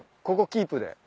ここキープで。